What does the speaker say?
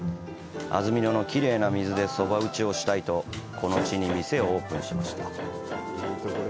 安曇野のきれいな水でそば打ちをしたいとこの地に店をオープンしました。